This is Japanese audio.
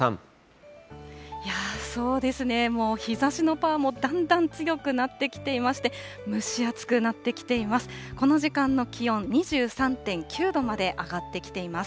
いやあ、そうですね、日ざしのパワーもだんだん強くなってきていまして、蒸し暑くなってきています。